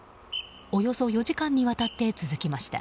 およそ４時間にわたって続きました。